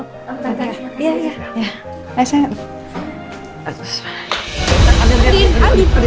mama pa duduk dulu